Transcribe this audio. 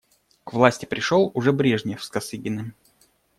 К власти пришел уже Брежнев с Косыгиным.